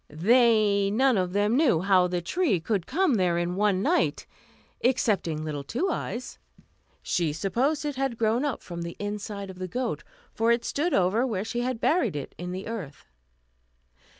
They none of them knew how the tree could come there in one night, excepting little Two Eyes. She supposed it had grown up from the inside of the goat; for it stood over where she had buried it in the earth.